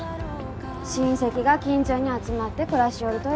親戚が近所に集まって暮らしよるとよ